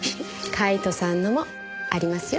カイトさんのもありますよ。